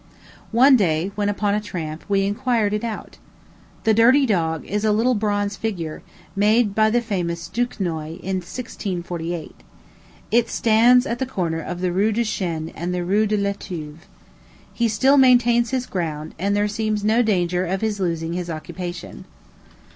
_ One day, when upon a tramp, we inquired it out. The dirty dog is a little bronze figure, made by the famous Duquesnoy in 1648. It stands at the corner of the Rue du Chêne and the Rue de l'Etuve. He still maintains his ground; and there seems no danger of his losing his occupation.